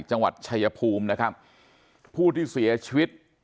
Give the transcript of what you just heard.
จังหวัดชายภูมินะครับผู้ที่เสียชีวิต